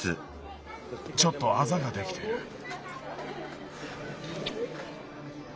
ちょっとアザができてる。